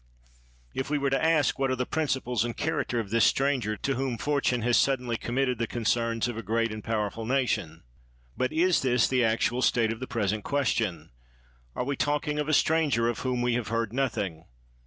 if we were to ask what are the principles and character of this stranger to whom fortune has suddenly committed the con cerns of a great and powerful nation? But is this the actual state of the present question ? Are we talking of a stranger of whom we have heard nothing?